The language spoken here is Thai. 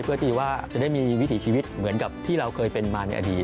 เพื่อที่ว่าจะได้มีวิถีชีวิตเหมือนกับที่เราเคยเป็นมาในอดีต